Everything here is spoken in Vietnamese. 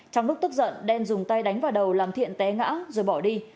trong lúc tức giận đen dùng tay đánh vào đầu làm thiện té ngã rồi bỏ đi